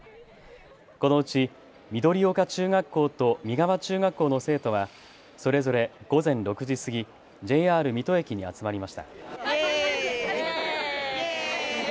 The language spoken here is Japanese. このうち緑岡中学校と見川中学校の生徒はそれぞれ午前６時過ぎＪＲ水戸駅に集まりました。